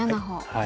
はい。